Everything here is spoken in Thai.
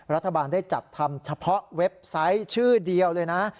รัฐบาลได้จัดทำเฉพาะเว็บไซต์ชื่อเดียวเลยนะ